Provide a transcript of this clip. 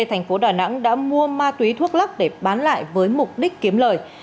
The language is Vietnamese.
thành phố đà nẵng đã mua ma túy thuốc lắc để bán lại với mục đích kiếm lời